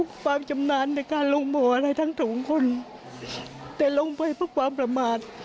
ความจำนานในการลงบ่ออะไรทั้ง๒คนแต่ลงไปเพราะความประมาท